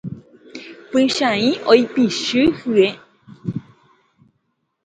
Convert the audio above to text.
Pychãi oipichy hye.